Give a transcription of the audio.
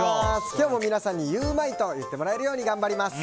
今日も皆さんにゆウマいと言ってもらえるように頑張ります！